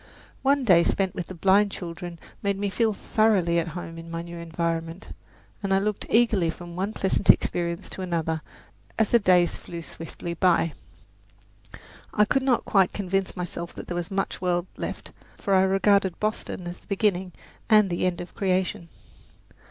One day spent with the blind children made me feel thoroughly at home in my new environment, and I looked eagerly from one pleasant experience to another as the days flew swiftly by. I could not quite convince myself that there was much world left, for I regarded Boston as the beginning and the end of creation.